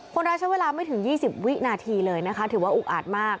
คนร้ายใช้เวลาไม่ถึง๒๐วินาทีเลยนะคะถือว่าอุกอาจมาก